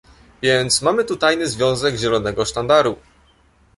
"Więc mamy tu tajny związek Zielonego Sztandaru."